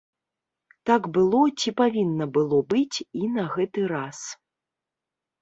Так было ці павінна было быць і на гэты раз.